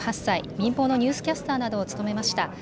民放のニュースキャスターなどを務めました。